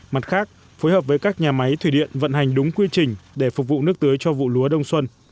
mặt khác phối hợp với các nhà máy thủy điện vận hành đúng quy trình để phục vụ nước tưới cho vụ lúa đông xuân